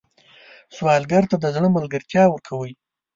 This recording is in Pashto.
سوالګر ته د زړه ملګرتیا ورکوئ